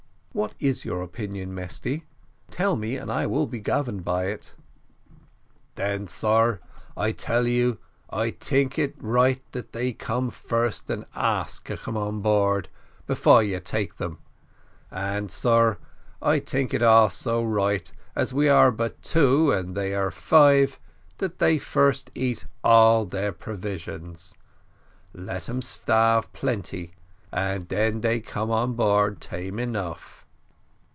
"What is your opinion, Mesty? tell me, and I will be governed by it." "Den, sar, I tell you I tink it right that they first come and ask to come on board before you take them and, sar, I tink it also right, as we are but two and they are five, dat they first eat all their provision let 'em starve plenty, and den dey come on board tame enough."